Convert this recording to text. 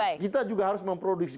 kita juga harus memproduksi